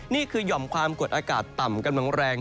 หย่อมความกดอากาศต่ำกำลังแรง